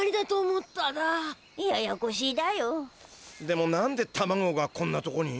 でも何でタマゴがこんなとこに？